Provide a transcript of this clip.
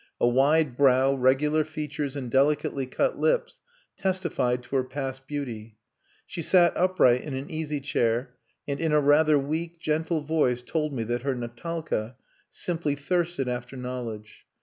A wide brow, regular features, and delicately cut lips, testified to her past beauty. She sat upright in an easy chair and in a rather weak, gentle voice told me that her Natalka simply thirsted after knowledge.